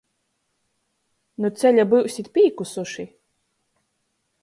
Nu ceļa byusit pīkusuši.